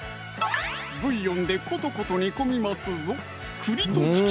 ブイヨンでコトコト煮込みますぞ